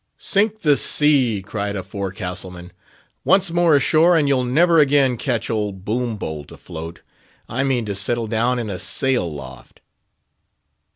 "Sink the sea!" cried a forecastle man. "Once more ashore, and you'll never again catch old Boombolt afloat. I mean to settle down in a sail loft."